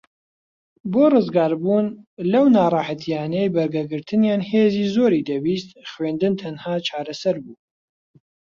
بۆ ڕزگاربوون لەو ناڕەحەتیانەی بەرگەگرتنیان هێزی زۆری دەویست خوێندن تەنھا چارەسەر بوو